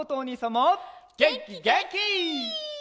げんきげんき！